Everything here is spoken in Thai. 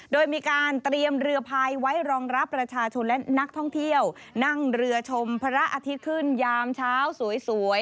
โดยมีการเตรียมเรือพายไว้รองรับประชาชนและนักท่องเที่ยวนั่งเรือชมพระอาทิตย์ขึ้นยามเช้าสวย